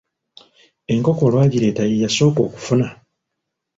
Enkoko olwagireeta ye yasooka okufuna!